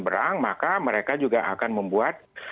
berang maka mereka juga akan membuat